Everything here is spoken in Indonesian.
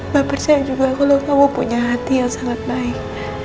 bapak percaya juga kalau kamu punya hati yang sangat baik